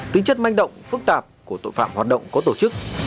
tính chất manh động phức tạp của tội phạm hoạt động có tổ chức